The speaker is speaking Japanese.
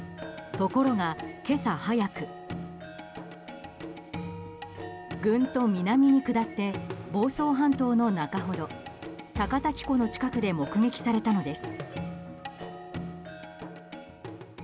ところが、今朝早くぐんと南に下って房総半島の中ほど高滝湖の近くで目撃されたのです。